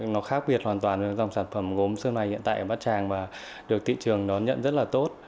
nó khác biệt hoàn toàn với dòng sản phẩm gốm xứ mài hiện tại ở bát tràng và được thị trường nó nhận rất là tốt